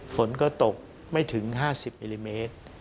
ฝนก็ตกไม่ถึง๕๐มิลลิเมตร